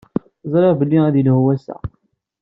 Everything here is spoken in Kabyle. Ẓṛiɣ belli ad yelhu wass-a.